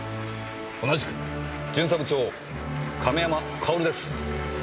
同じく巡査部長亀山薫です。